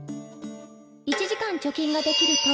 １時間貯金ができると。